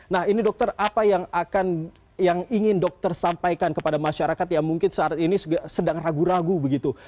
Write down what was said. nah ini dokter apa yang akan yang ingin dokter sampaikan kepada masyarakat yang mungkin saat ini sedang ragu ragu begitu